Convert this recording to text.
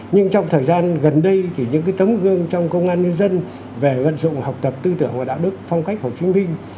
nhưng trong thời gian gần đây thì những tấm gương trong công an nhân dân về vận dụng học tập tư tưởng và đạo đức phong cách hồ chí minh